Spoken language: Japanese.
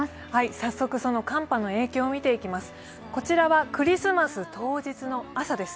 早速その寒波の影響を見ていきます。